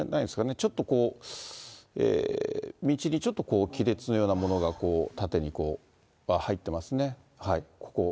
ちょっと道にちょっと亀裂のようなものが、縦にこう入っていますね、ここ。